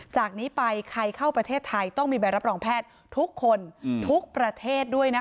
จากนี้ไปใครเข้าประเทศไทยต้องมีใบรับรองแพทย์ทุกคนทุกประเทศด้วยนะคะ